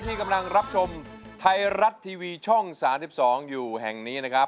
ที่กำลังรับชมไทยรัฐทีวีช่อง๓๒อยู่แห่งนี้นะครับ